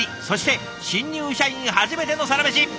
そして新入社員初めてのサラメシ。